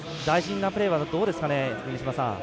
プレーはどうですかね。